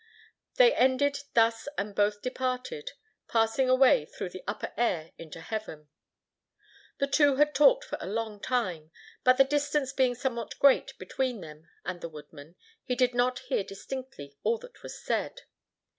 They ended thus and both departed, passing away through the upper air into heaven. The two had talked for a long time, but the distance being somewhat great between them and the woodman, he did not hear distinctly all that was said.